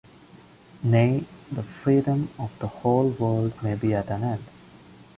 Nay, the freedom of the whole world may be at an end!